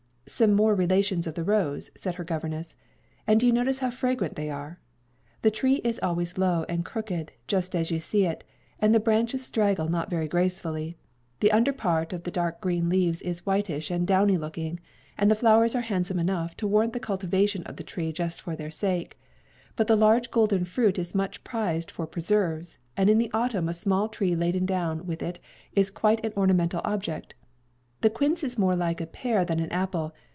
"Some more relations of the rose," said her governess. "And do you notice how fragrant they are? The tree is always low and crooked, just as you see it, and the branches straggle not very gracefully. The under part of the dark green leaves is whitish and downy looking, and the flowers are handsome enough to warrant the cultivation of the tree just for their sake, but the large golden fruit is much prized for preserves, and in the autumn a small tree laden down with it is quite an ornamental object. The quince is more like a pear than an apple.